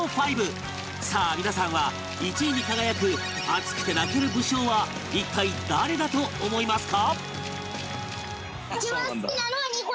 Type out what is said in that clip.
さあ皆さんは１位に輝く熱くて泣ける武将は一体誰だと思いますか？